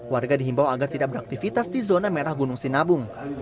warga dihimbau agar tidak beraktivitas di zona merah gunung sinabung